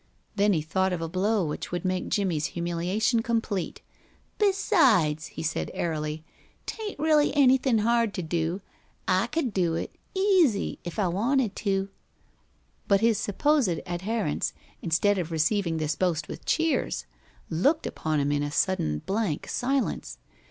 Then he thought of a blow which would make Jimmie's humiliation complete. "Besides," he said, airily, "'tain't really anything hard to do. I could do it easy if I wanted to." But his supposed adherents, instead of receiving this boast with cheers, looked upon him in a sudden blank silence.